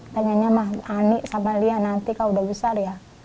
pengennya mah ani sama lia nanti kalau udah besar ya